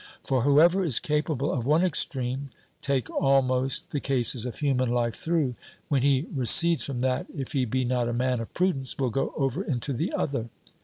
For whoever is capable of one extreme (take almost the cases of human life through) when he recedes from that, if he be not a man of prudence, will go over into the other.